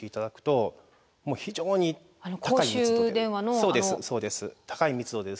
そうですそうです。